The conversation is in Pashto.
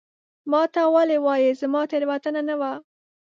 ما ته ولي وایې ؟ زما تېروتنه نه وه